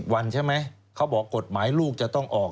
วันใช่ไหมเขาบอกกฎหมายลูกจะต้องออก